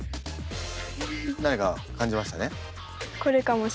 何か感じましたね？